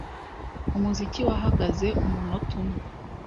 Umuziki wahagaze umunota umwe